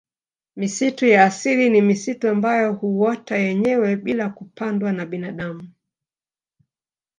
Misitu ya asili ni misitu ambayo huota yenyewe bila kupandwa na binadamu